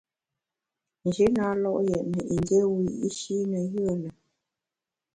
Nji na lo’ yètne yin dié wiyi’shi ne yùe lùm.